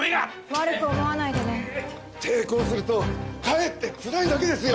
悪く思わないでね。抵抗するとかえってつらいだけですよ！